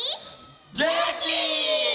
げんき！